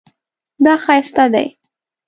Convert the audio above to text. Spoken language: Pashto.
دا ښایسته دی